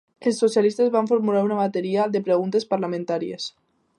Els socialistes van formular una bateria de preguntes parlamentàries.